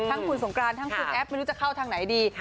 ทั้งคุณสงกรานทั้งคุณแอฟไม่รู้จะเข้าทางไหนดี